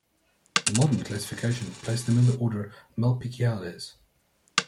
Modern classifications place them in the order Malpighiales.